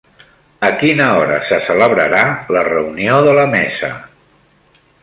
A quina hora se celebrarà la reunió de la mesa?